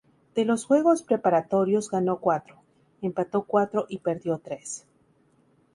De los juegos preparatorios ganó cuatro, empató cuatro y perdió tres.